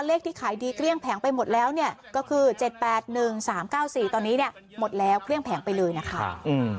ว่าเลขที่ขายดีเครี่ยงแผงไปหมดแล้วก็คือ๗๘๑๓๙๔ตอนนี้หมดแล้วเครี่ยงแผงไปเลยนะคะ